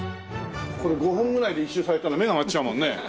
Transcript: これ５分ぐらいで一周されたら目が回っちゃうもんね。